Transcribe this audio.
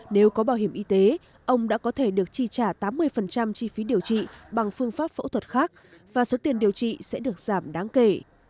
nếu có bảo hiểm y tế ông đã có thể được chi trả tám mươi chi phí điều trị bằng phương pháp phẫu thuật khác và số tiền điều trị sẽ được giảm đáng kể